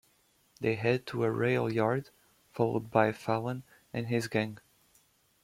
They head to a railyard, followed by Fallon and his gang.